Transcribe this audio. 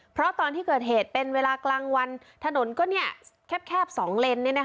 เพราะตอนที่เกิดเหตุเป็นเวลากลางวันถนนก็แคบ๒เลน